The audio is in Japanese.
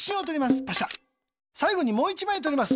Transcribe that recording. さいごにもう１まいとります。